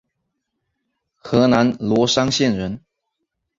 河南罗山县人。